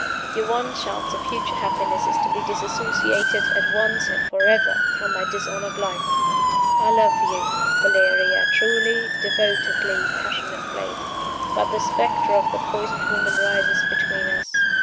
Your one chance of future happiness is to be disassociated, at once and forever, from my dishonored life. I love you, Valeria truly, devotedly, passionately. But the specter of the poisoned woman rises between us.